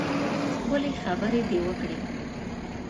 ښکلې خبرې دې وکړې.